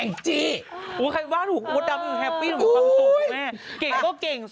เอ็งจี้คะชวนครับ